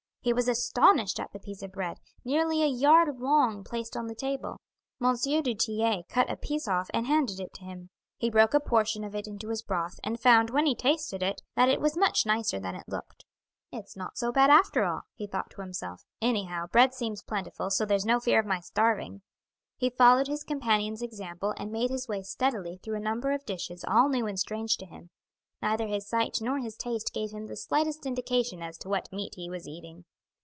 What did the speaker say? He was astonished at the piece of bread, nearly a yard long, placed on the table. M. du Tillet cut a piece off and handed it to him. He broke a portion of it into his broth, and found, when he tasted it, that it was much nicer than it looked. "It's not so bad after all," he thought to himself. "Anyhow bread seems plentiful, so there's no fear of my starving." He followed his companion's example and made his way steadily through a number of dishes all new and strange to him; neither his sight nor his taste gave him the slightest indication as to what meat he was eating.